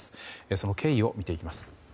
その経緯を見ていきます。